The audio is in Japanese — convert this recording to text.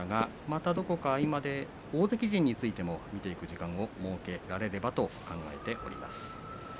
また、どこか合間で大関陣についても見ていく時間も設けられるかと思います。